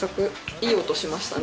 いい音しましたね